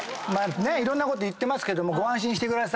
いろんなこと言ってますけどもご安心してください。